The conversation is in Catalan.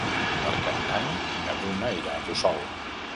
Per Cap d'Any na Bruna irà a Puçol.